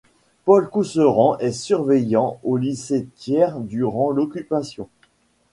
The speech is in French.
Paul Cousseran est surveillant au lycée Thiers durant l'Occupation.